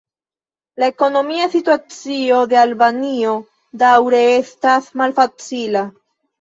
La ekonomia situacio de Albanio daŭre estas malfacila.